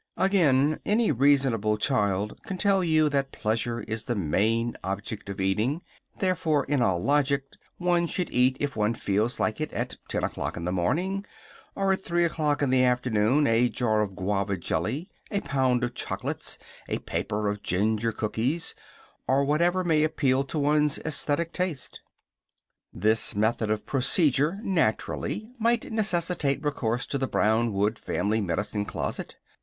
Again, any reasonable child can tell you that pleasure is the main object of eating; therefore, in all logic, one should eat if one feels like it at ten o'clock in the morning, or at three o'clock in the afternoon, a jar of Guava jelly, a pound of chocolates, a paper of ginger cookies, or whatever may appeal to one's aesthetic taste. This method of procedure, naturally, might necessitate recourse to the brown wood family medicine closet.